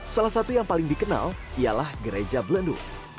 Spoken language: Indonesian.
salah satu yang paling dikenal ialah gereja belendu